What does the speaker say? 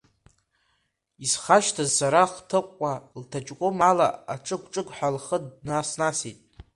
Исхашҭыз, сара хҭыкәкәа, лҭаҷкәым ала аҿыгә-ҿыгәҳәа лхы днаснасит.